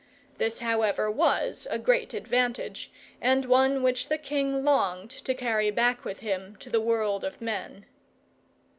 This, however, was a great advantage, and one which the king longed to carry back with him to the world of men.